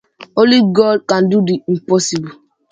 Only God can do the impossible.